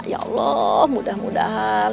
ya allah mudah mudahan